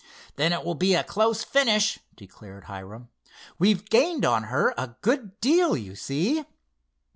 "Then it will be a close finish," declared Hiram. "We've gained on her a good deal, you see."